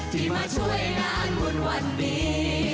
ที่มาช่วยงานบุญวันนี้